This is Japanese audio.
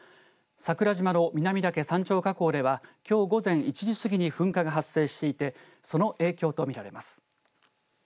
桜島の南岳山頂火口付近ではきょう午前１時過ぎに噴火が発生していてその影響と見られます。